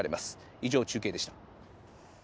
以上、中継でした。